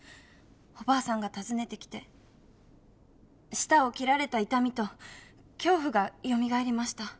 おばあさんが訪ねてきて舌を切られた痛みと恐怖がよみがえりました。